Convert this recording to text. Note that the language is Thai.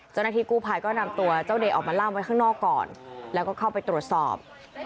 เจ้าหน้าที่กู้ภัยก็นำตัวเจ้าเดย์ออกมาล่ามไว้ข้างนอกก่อนแล้วก็เข้าไปตรวจสอบ